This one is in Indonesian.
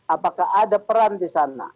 apakah ada peran di sana